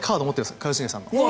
一茂さんの。